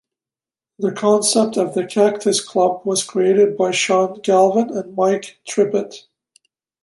The concept of The Cactus Club was created by Sean Galvin and Mike Trippett.